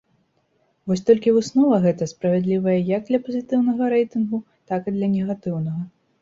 Вось толькі выснова гэта справядлівая як для пазітыўнага рэйтынгу, так і для негатыўнага.